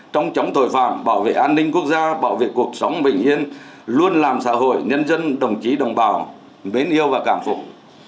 trong chống tội phạm bảo vệ an ninh quốc gia bảo vệ cuộc sống bình yên luôn làm xã hội nhân dân đồng chí đồng bào mến yêu và cảm phục